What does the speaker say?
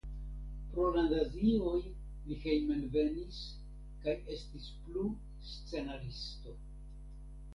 Pro la nazioj li hejmenvenis kaj estis plu scenaristo.